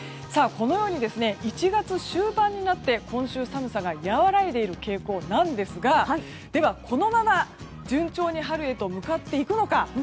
このように、１月終盤になって今週、寒さが和らいでいる傾向なんですがでは、このまま順調に春へと向かっていくのか。